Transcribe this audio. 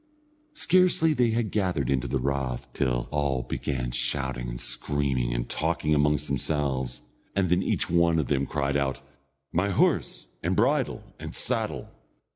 Scarcely had they gathered into the rath till they all began shouting, and screaming, and talking amongst themselves; and then each one of them cried out: "My horse, and bridle, and saddle!